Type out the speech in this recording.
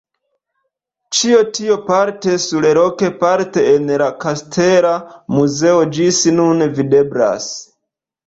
Ĉio tio parte surloke parte en la Kastela muzeo ĝis nun videblas.